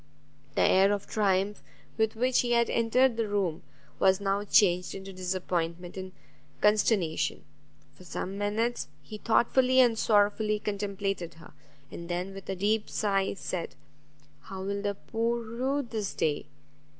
The air of triumph with which he had entered the room was now changed into disappointment and consternation. For some minutes he thoughtfully and sorrowfully contemplated her, and then, with a deep sigh, said, "How will the poor rue this day!"